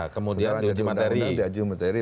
kemudian di uji materi